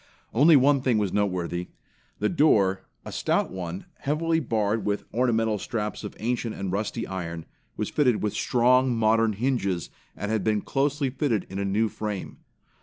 Only one thing was noteworthy. The door, a stout one heavily barred with ornamental straps of ancient and rusty iron, was fitted with strong, modern hinges, and had been closely fitted in anew frame.